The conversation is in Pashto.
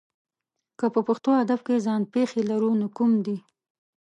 که په پښتو ادب کې ځان پېښې لرو نو کوم دي؟